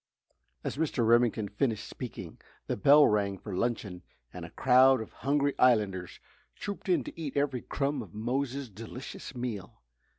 As Mr. Remington finished speaking the bell rang for luncheon and a crowd of hungry islanders trooped in to eat every crumb of Mose's delicious meal.